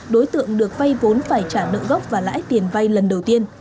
đối tượng được vay vốn phải trả nợ gốc và lãi tiền vay lần đầu tiên